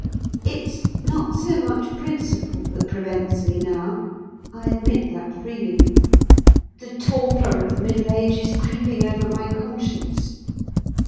It's not so much principle that prevents me now. I admit that freely. The torpor of middle age is creeping over my conscience.